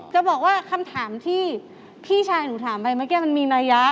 จะบอกว่าคำถามที่พี่ชายหนูถามไปเมื่อกี้มันมีนัยะ